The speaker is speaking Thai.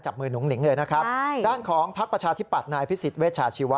มือหนุ่งหนิงเลยนะครับใช่ด้านของพักประชาธิปัตย์นายพิสิทธเวชาชีวะ